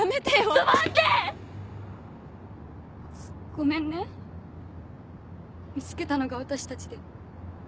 ごめんね見つけたのが私たちで。